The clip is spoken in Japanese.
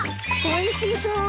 おいしそう。